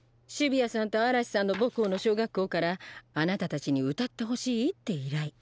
澁谷さんと嵐さんの母校の小学校からあなたたちに歌ってほしいって依頼。